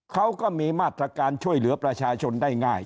เขาก็มีมาตรการช่วยเหลือประชาชนได้ง่าย